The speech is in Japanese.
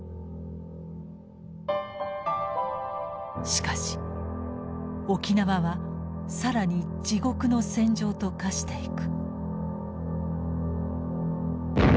しかし沖縄は更に地獄の戦場と化していく。